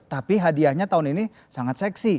tapi hadiahnya tahun ini sangat seksi